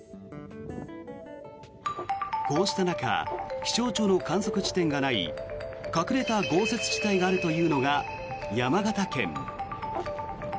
こうした中気象庁の観測地点がない隠れた豪雪地帯があるというのが山形県。